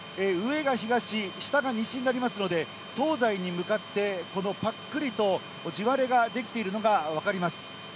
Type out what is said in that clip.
上が東、下が西になりますので、東西に向かってこのぱっくりと地割れが出来ているのが分かります。